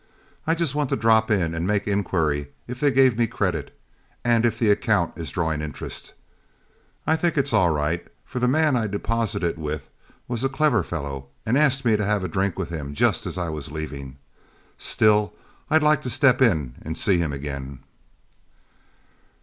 I just want to drop in and make inquiry if they gave me credit, and if the account is drawing interest. I think it's all right, for the man I deposited it with was a clever fellow and asked me to have a drink with him just as I was leaving. Still, I'd like to step in and see him again."